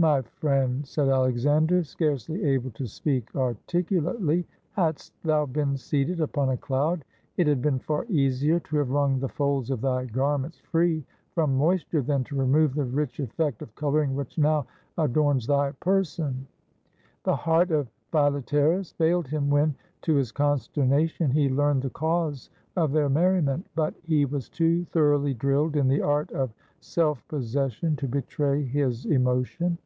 "My friend," said Alexander, scarcely able to speak articulately, ''hadst thou been seated upon a cloud, it had been far easier to have wrung the folds of thy gar ments free from moisture than to remove the rich effect of coloring which now adorns thy person." 202 IN THE STUDIO OF APELLES The heart of Philetaerus failed him when, to his con sternation, he learned the cause of their merriment ; but he was too thoroughly drilled in the art of self possession to betray his emotion.